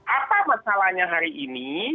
apa masalahnya hari ini